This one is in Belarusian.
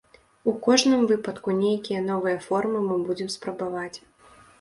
У кожным выпадку нейкія новыя формы мы будзем спрабаваць.